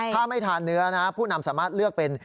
ถ้าไม่ทานเนื้อนะผู้นำสามารถเลือกเป็น